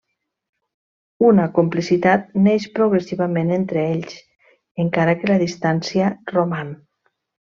Una complicitat neix progressivament entre ells, encara que la distància roman.